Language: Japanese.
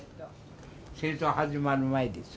戦争始まる前です。